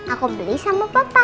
aku beli sama papa